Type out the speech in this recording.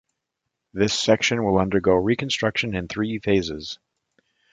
This section will undergo reconstruction in three phases.